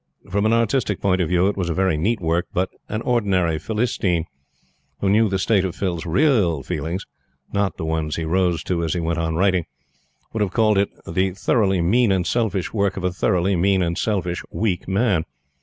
From an artistic point of view, it was very neat work, but an ordinary Philistine, who knew the state of Phil's real feelings not the ones he rose to as he went on writing would have called it the thoroughly mean and selfish work of a thoroughly mean and selfish, weak man.